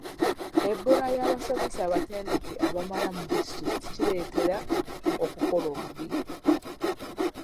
Ebbula ly'abasomesa abatendeke abamala mu disitulikiti kireetera okukola obubi.